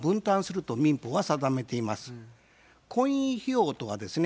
婚姻費用とはですね